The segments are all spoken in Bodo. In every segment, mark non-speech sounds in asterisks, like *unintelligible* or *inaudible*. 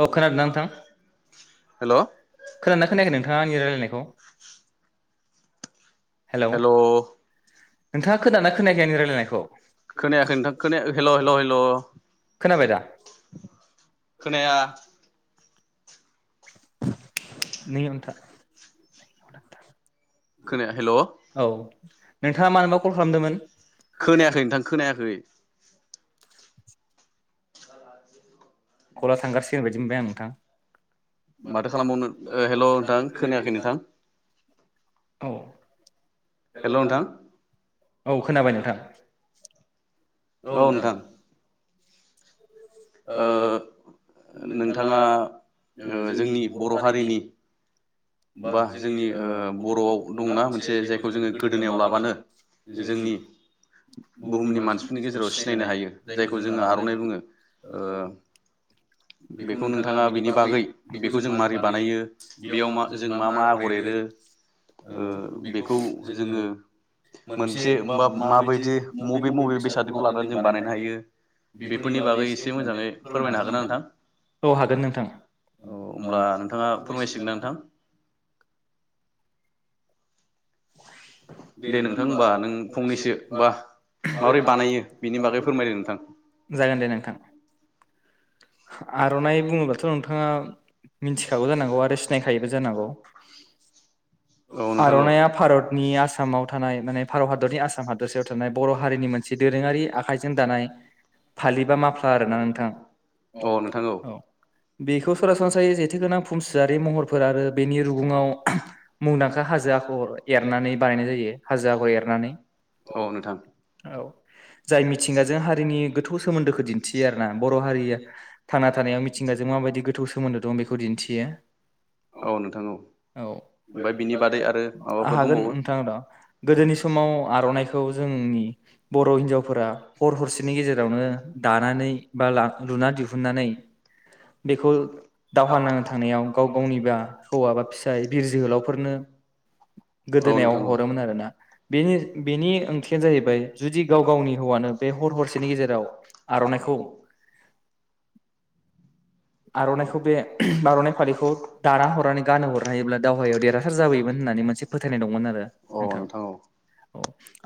औ खोनादोंना नोंथां खोनादोंना खोनायाखै नोंथाङा आंनि रायलायनायखौ? हेलौ नोंथाङा खोनोदाना खोनायाखै आंनि रायलायनायखौ खोनाबाय दा? नों इयावनो था खोनाया हेल' खोनायाखै नोंथां खोनायाखै। कला थांगारसिगोन बायदि मोनबाय आं नोंथां। माथो खालामबावनो हेल' नोंथां खोनायाखै नोंथां। औे हेल' औ खोनाबाय नोंथां औ नोंथां नोंथाङा जोंनि बर' हारिनि बा जोंनि बर'आव दङना मोनसे जायखौ जोङो गोदोनायाव लाबानो जोंनि बुहुमनि मानसिफोरनि गेजेराव सिनायनो हायो जायखौ जोङो आर'नाइ बुङो बेखौ नोंथाङा बेनि बागै बेखौ जों माबारै बानायो बेयाव मा जों मा मा आगर एरो बेखौ जोङो मोनसे बा माबायदि मबे मबे बेसादखौ लानानै जों बानायनो हायो बेफोरनि बागै एसे मोजाङै फोरमायनो हागोन ना नोंथां औ होमब्ला नोंथाङा फोरमायसिगोन नोंथां दे नोंथां होमबा नों फंनैसो हबा माबोरै बानायो बेनि बागै फोरमायदो नोंथां आर'नाइ बुङोब्लााथ' नोंथाङा मिथिखागौ जानांगौ आरो सिनायखायोबो जानांगौ आरनाइया भारतनि आसामाव थानाय माने भारत हादरनि आसाम हादरसेायाव थानाय बर हारिनि मोनसे दोरोङारि आखाइजों दानाय फालि बा माफ्ला आर ना नोंथाङा औ बेखौ सरासनस्रायै जेथोोगोनां फुमसियरारि महरफोर आरो बेनि रुगुङाव मुंदांखा हाजो आखर एरनानै बानायनाय जायो हाजो आखर एरनानै औ जाय मिथिंगाजों हारिनि गोथौ सोमोन्दोखौ दिन्थियो आरोना बर हारिया थांना थानायाव मिथिंगाजों माबायदि गोथौ सोमोन्दो दं बेखौ दिन्थियो औ हागोन नोंथांन गोदोनि समाव आर'नाइखौ जोंनि बर हिनजावफोरा हर हरसेनि गेजेरावनो दानानै बा ला दिहुन बेखौ दावहाान थानायाव गाव गावनिब हौव बा फिस जोहोलावफोरनो हरामोन आरो बेनि ओंथिया जाहैबाय जुदि गाव गावनि हव बेनि गेजेराव आरनाइखौ आर'नाइखौ बे आर'नाइ फालिखौ दाना हरनानै गानो हरना हायोब्ला दावहायाव देरहासार जाबोयोमोन होननानै मोनसे फोथायनाय दंमोन आरो नोंथांा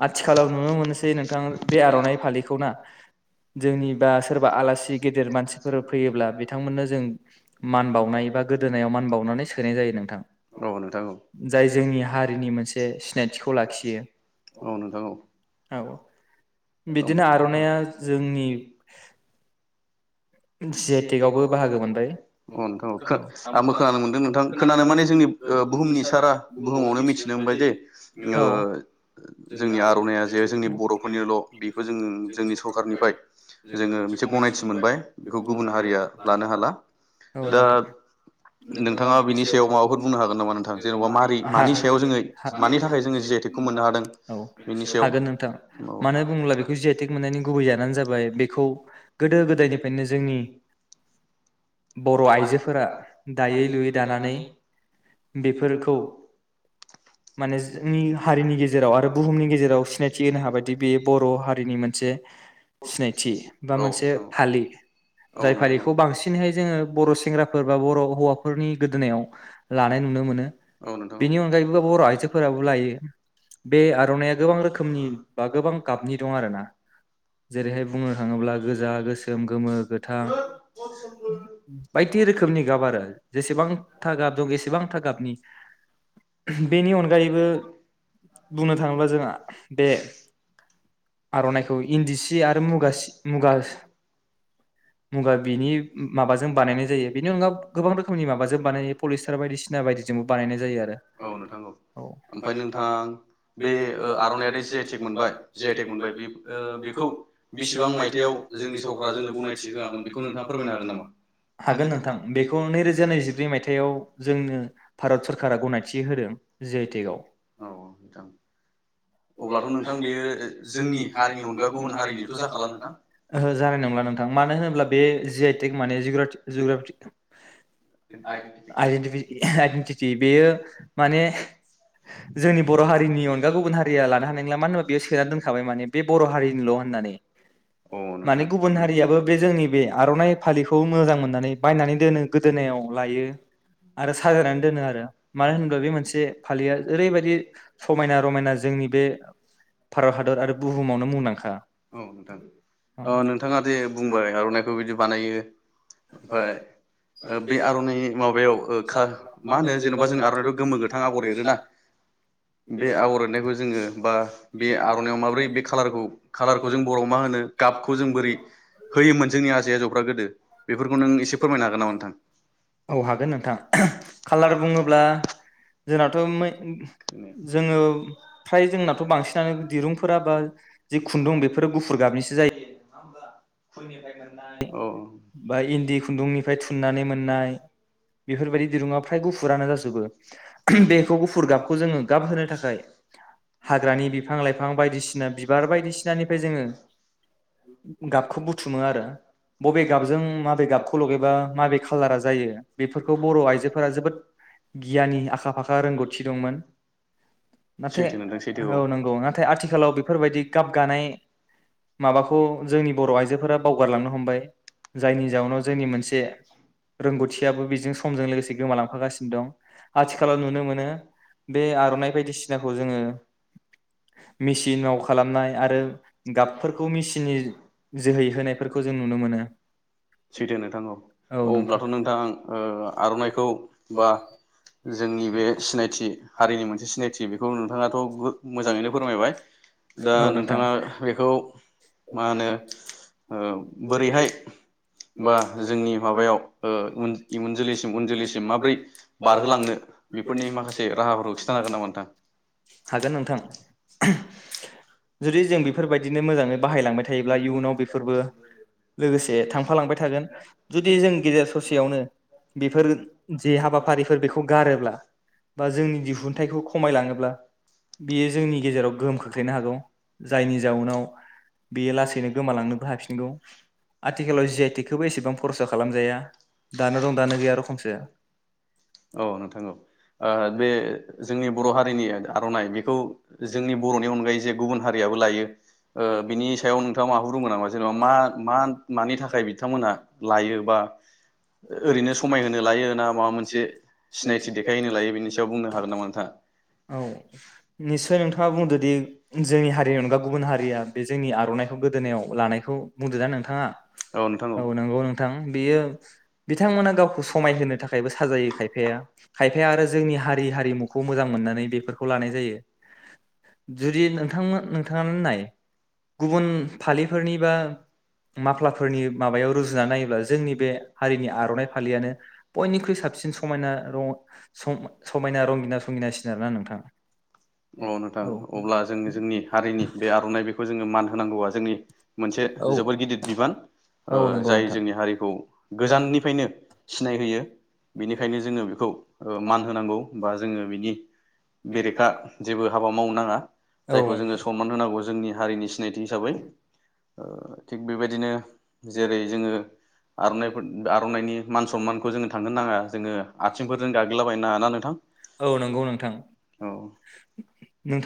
आथिखालाव नुनो मोनसै नोंथां बे आरनाइ फालिखौ ना जोंनि बा सोरबा आलासि गिदेर मानसि फोर फैयोब्ला बिथांमोन जों मान बनाय बा गोजोना म बनानै साय जायोा औ नोंथ जाय जोंनि हारिनि मोनसे सिनायथिखौ लाखियो औ बिदिनो जोंनि बाहागो मोनबाय अ नोंथां आंबो खोनानो मोनदों नोंथां खोनानो माने जोंनि बुहुमनि सारा बुहुमावनो मिथिनो मोनबाय जे जोंनि आर'नाइया जे जोंनि बरफोरनिल बेखौ जों जोंनि सरखारारनिफ्राय जोङो एसे गनायथि मोनबाय औ नोंथाङा सायावागोन हागोन नोंथाङा मानो बुोब्ला बेखौ जियेटिक मोननायनि गुबै जानायानो जाबाय बेखौ गोदो गोदायनिफ्रायनो जोंनि बर आइजोफोरा दायै लुयै दानानै बेफोरखौ माने जोंनि हारिनि गेजेराव आरो बुहुमनि गेजेराव सिनायथि होनो हाबायदि बे बर हारिनि मोनसे जे सिनायथि बा मोनसे मोनसे फालि जाय फालिखौ बांसिनहाय जोङो बर' सेंग्राफोर बा बर हौवाफोरनि गोदोनायाव लानाय नुनो मोनो बेनि अनगायैबो बर आइजोफोराबो लायो बे आरनाइा गोबां रोखोमनि बा गोबां गाबनि दं आर ना जेरैहाय बुंनो थाङोब्ला गोजा गोसोम गोमो गोथां बायदि रोखोमनि गाब आरो जेसेबांथा गाब दं एसेबांथा गाबनि बेनि अनगायैबो बुंनो थाङोब्ला जोंहा बे आर'नाइखौ इन्दि सि आरो मुगा सि मुगास मुगा बिनि माबाजों बानायनाय जायो बेनि अनगा गोबां रोखोमनि माबाजों बानायो पलिस्टार बायदिसिना बायदिजोंबो बानायनाय जायो आरो औ नोंथां औ ओमफाय नोंथाङा बे ओ आरनायारि जि आइ टि मोनबाय जे आइ टेक मोनबाय बेब ओ बेखौ बेसेबां माइथ बेयाव जोंनि सरखारा जोंनो गनायथि होआमोन बेखौ नोंथाङा फोरमायनो हागोन नामा? हागोन नोंथां बेखौ नैरोजा नैजिब्रै मायथाइयाव जोंनो भारत सरकारा गनायथि होदों जे आइ टेकाव औ अब्ला नोंथां बेयो जोंनि हारिनि अनगा गुबुन हारिनिथ' जाखाला नोंथां। ओहो जानाय नंला नोंथां मानो होनोब्ला बे जि आइ टेक मानेग जिग्राथि जिग्राथि आइ आइडेेनटिटि बेयो माने जोंनि बर' हारिनि अनगा गुबुन हारिया लानो हानाय नंला मानो होनोबा बेयो सोना दोनखाब ओइ माने बे बर' हारिनिल' होननानै माने गुबुन हारियाबो बे जोंनि बे आर'नाइ फालिखौ मोजां मोननानै बायनानै दोनो गोदोनायाव लायो आरो साजायनानै दोनो आरो मानो होनब्ला बे मोनसे फालिया ओरैबायदि समायना रमायना जोंनि बे भारत हादर बुहुमावनो मुंदांखा अ नोंथाङा दे बुंबाय आर'नाइखौ बिदि बानायो ओमफाय बे आर'नाइ माबायाव ओ खा मा होनो जेन'बा जों आर'नाइ गोमो गोथां आगर एरोना बे आगर एरनायखौ जोङो बा बे आग नायाव माब्रै बे कालारखौ खालारखौ जों बर'आव मा होनो? गाबखौ जों बोरै होयोमोन जोंनि आजै-आजौफ्रा गोदो बेफोरखौ नों एसे फोरमायनो हागोन नामा नोंथां? औ हागोन नोंथां खालार होनोब्ला जोंनाथ' *unintelligible* फ्राय जोंना बांसिनानो मैगंफोराबो जि खुन्दुं बेफोरो गुफुर गाबनिसो जायो। न होमबा फुलनिफ्राय मोननाय बा इन्दि खुन्दुंनिफ्राय थुननानै मोननाय बेफोरबायदि दिरुङा फ्राय गुफुरानो जाजोबो बेखौ गुफुर गाबखौ जोङो गाब होनो थाखाय हाग्रानि बिफां लाइफ बिफां बायदिसिना बिबार बायदिसिनानिफ्राय जोङो गाबखौ बुथुमो आरो बबे गाबजों माबे गाबखौ लगैबा माबे खालारा जायो बेफोरखौ बर' आइजोफोरा जोबोद गियानि आखा-फाखा रोंगौथि दंमोन नाथाय औ नंगौ। दङा नाथाय आथिखालाव बेफोरबायदि गाब गानाय माबाखौ जोंनि बर' आइजोफोरा बावगारलांनो हमबाय। जायनि जाउनाव जोंनि मोनसे रोंगौथियाबो बेजों समजों लोगोसे गोमालांफागासिनो दं आथिखालाव नुनो मोनो बे आर'नाइ बायदिसिनाखौ जोङो मेसिनाव खालामनाय आरो गाबफोरखौ मेसिननि जोहै होनायफोरखौ जों नुनो मोनो। सैथो नोंथां औ औब्लाथ' नोंथां ओ आर'नाइखौ बा जोंनि बे सिनायथि हारिनि मोनसे सिनायथि बेखौ नोंथाङाथ' गो मोजाङैनो फोरमायबाय दा नोंथाङा बेखौ मा होनो ओ बोरैहाय बा जोंनि माबायाव ओ उन इयुन जोलैसिम उन जोलैसिम माब्रै बारहोलांनो बेफोरनि माखासे राहाफोरखौ खिथानो हागोन नामा नोंथां? गोन नोंथां। जुदि जों बेफोरबायदिनो मोजाङै बाहायलांबाय थायोब्ला इयुनाव बेफोरबो लोगोसे बे थांफालांबाय थागोन जुदि जों गेजेर ससेयावनो बेफोर जे हाबाफारिफोर बेखौ गारोब्ला बा जोंनि दिहुनथाइखौ खमायलाङोब्ला बियो जोंनि गेजेराव गोहोम खोख्लैनो हागौ। जायनि जाउनाव बेयो लासैनो गोमालांनोबो हाफिनगौ औ नोंथां औ ओ बे जोंनि बर' हारिनि आर'नाइ बेखौ जोंनि बर'नि अनगायै जे गुबुन हारियाबो लायो ओ बिनि सायाव नोंथाङा माबाफीर बुंगोन नामा जेनेबा मा मा मानि थाखाय बिथांमोनहा लायो बा ओरैनो समायहोनो लायो ना माबा मोनसे सिनायथि देखायहो लायो बेनि सायाव बुंनो हागोन नामा नोंथाङा जोंनि हारिनि अनगा गुबुन हारिया बे जोंनि आर'नाइखौ गोदोनायाव लानायखौ बुंदोंदा नोंथाङा औ औ नंगौ नोंथां बेयो बिथांमोना गावखौ समायहोनो थाखायबो साजायो खायफाया खायफाया आरो जोंनि हारि हारिमुखौ मोजां मोननानै बेफोरखौ लानाय जायो नोंथांमो नोंथांआनो नाय गुबुन फालिफोरनि बा माफ्लाफोरनि माबायाव रुजुनानै नायोब्ला जोंनि बे हारिनि आरनाइ फालियानो बयनिख्रुइ साबसिन समायना र समायना रंगिना संगिनासिन आरोना नोंथाङा औ अब्ला जों जोंनि हारिनि बे आरनाइ बेखौ जोङो मान होनांगौआ जोंनि मोनसे जोबोद गिदिर बिबान ओ जाय जोंनि हारिखौ गोजाननिफ्रायनो सिनाय होयो बेनिखायनो जोङो बेखौ ओ मान होनांगौ बा जोङो बिनि बेरेखा जेबो हाबा मावनााङा जायखौ जोङो सनमान होनांगौ जोंनि हारिनि सिनायथि हिसाबै ओ थिग बिदिनो जेरै जोङो आरनाइ आरनाइनि मान सनमानखौ जोङो थांगोन नाङा जोङो आथिंफोरजों गाग्लिलाबायनो नाङा ना नोंथां औ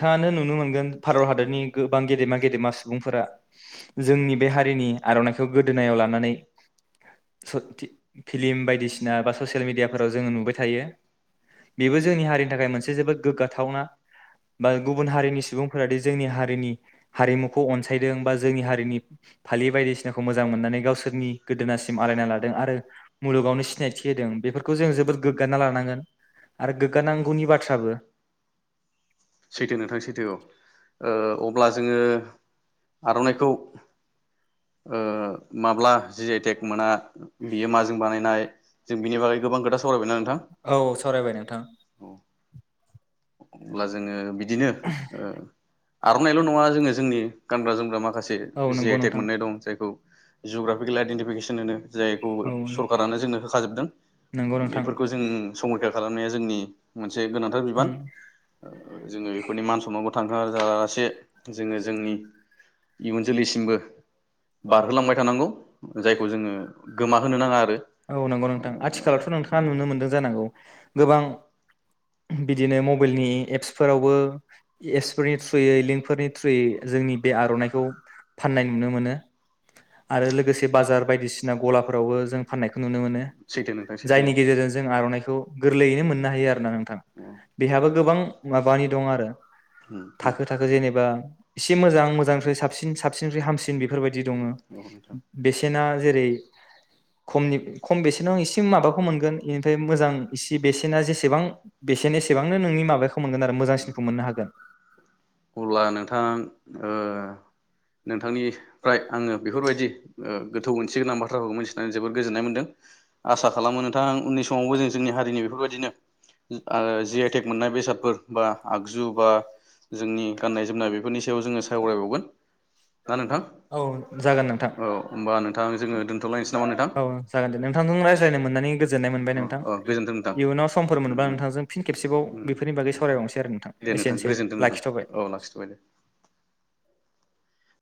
थाङानो नुनो मोनगोन भारत हादरनि गोबां गेदेमा गेदेमा सुबुंफोरा जोंनि बे हा हारिनि आरनाइखौ गोदोनायाव लानानै फिल्म बायदिसिना बा ससियेल मिेडियाफोराव जोङो नुबाय थायो बेबो जोंनि हारिनि थाखाय मोनसे जोबोद गोग्गाथावना बा गुबुन हारिनि सुबुंफोराादि जोंनि हारिनि हारिमुखौ अनसायदों बा जोंनि हारिनि फालि बायदिसिनाखौ मोजां मोननानै गावसोरनि गोदोनासिम आलायना लादों आरो मुलुगावनो सिनायथि होदों बेफोरखौ जों जोबद गोग्गाना लानांगोन आरो गोग्गानांगौनि बाथ्राबो सैथो नोंथां सैथो औ ओ अब्ला जोङो आरनाइखौ ओ माब्ला जि आइ टेक मोना बियो माजों बानायनाय जों बिनि बागै गोबां खोथा सावरायबायना नोंथां अब्ला जोङो बिदिनो आरनाइल नङा जोङो जोंनि गानग्रा जोमग्रा माखासे जि आइ टेक मोननाय दं जायखौ जिअग्राफिकेल आइडेन्टिफिकेसन होनो जायखौ सरखारारानो जोंनो होखाजोबदों बेफोरखौ जों संरैखा खालामनाया जोंनि मोनसे गोनांथार बिबान औ नंगौ नोंथां आथिखालावथ नोंथाङा नुनो मोनदों जानांगौ गोबां बिदि नेम मबाइलनि एप्सफोरावबो एप्सफोरनि थ्रुयै लिंकफोरनि थ्रुयै जोंनि बे आर'नाइखौ फाननाय नुनो मोनो आरो लोगोसे बाजार बायदिसिना गलाफोरावबो जों फाननायखौ नुनो मोनो जायनि गेजेरजों जों आर'नाइखौ गोरलैयैनो मोननो हायो आरोना नोंथां बेहाबो गोबां माबानि दं आरो थाखो थाखो जेनेबा एसे मोजां मोजांनिख्र साबसिन साबसिननिखफ्राय हामसिन बेफोरबायदि दङ बेसेना जेरै खमनि खम बेसेनाव एसे माबाखौ मोनगोन बेनिफ्राय मोजां इसे बेसेना जेसेबां *inaudible* बेसेनि अब्ला नोंथां ओ नोंथांनिफ्राय आङो बेफोरबायदि ओ गोथौ ओंथि गोनां बाथ्राफोरखौ मिथिनानै जोबोद गोजोननाय मोनदों आसा खालामो नोंथां उननि समावबो जों जोंनि हारिनि बेफोरबायदिनो ओ जि आइ टेक मोननाय बेसादफोर बा आगजु बा जोंनि गाननाय जोमनाय बेफोरनि सायाव जोङो सावरायबावगोन ना नोंथां औ होमबा नोंथां जोङो दोनथलायनोसै नामा नोंथां औ गोजोनथों नोंथां फिन खेबसेबाव बेफोरनि बागै सावरायबावनोसै आरो नोंथां एसेनोसै लाखिथबाय